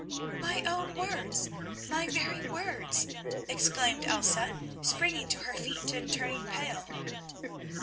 "My own words, my very words," exclaimed Elsa, springing to her feet and turning pale.